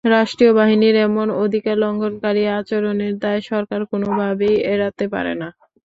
রাষ্ট্রীয় বাহিনীর এমন অধিকার লঙ্ঘনকারী আচরণের দায় সরকার কোনোভাবেই এড়াতে পারে না।